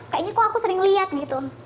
kayaknya kok aku sering lihat gitu